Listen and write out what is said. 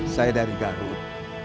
saya dari garut